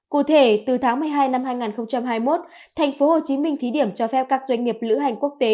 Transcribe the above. cụ thể từ tháng một mươi hai năm hai nghìn hai mươi một thành phố hồ chí minh thí điểm cho phép các doanh nghiệp lữ hành quốc tế